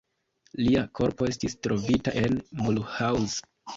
Lia korpo estis trovita en Mulhouse.